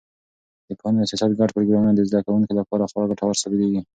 د پوهنې او سیاحت ګډ پروګرامونه د زده کوونکو لپاره خورا ګټور ثابتېږي.